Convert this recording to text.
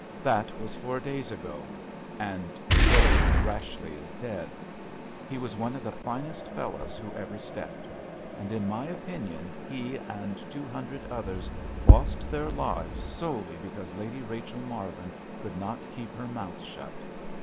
"That was four days ago—and to day Rashleigh is dead. He was one of the finest fellows who ever stepped. And, in my opinion, he and two hundred others lost their lives solely because Lady Rachel Marvin could not keep her mouth shut.